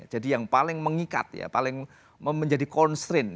jadi yang paling mengikat paling menjadi constraint